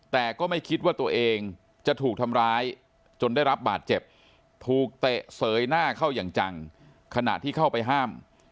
แต่ก็ไม่คิดว่าตัวเองจะถูกทำร้ายจนได้รับบาดเจ็บถูกเตะเสยหน้าเข้าอย่างจังขณะที่เข้าไปห้าม